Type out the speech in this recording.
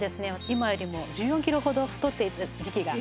今よりも１４キロほど太っていた時期が。